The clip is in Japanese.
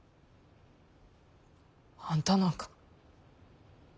あんたなんか。